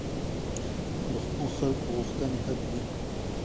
د خلکو غوښتنې حق دي